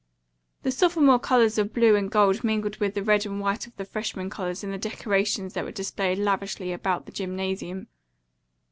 The sophomore colors of blue and gold mingled with the red and white of the freshmen colors in the decorations that were displayed lavishly about the gymnasium.